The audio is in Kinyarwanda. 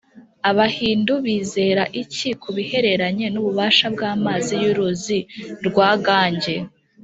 abahindu bizera iki ku bihereranye n’ububasha bw’amazi y’uruzi rwa gange?